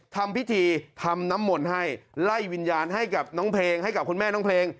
ทำพิธีทำน้ำมนต์ให้ไล่วิญญาณให้กับน้องเพลงให้กับคุณแม่น้องเพลง